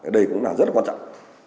đây cũng là rất là quan trọng